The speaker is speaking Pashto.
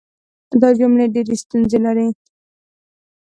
دا جملې ډېرې ستونزې لري.